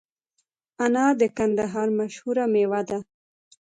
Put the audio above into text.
انار د کندهار مشهوره مېوه ده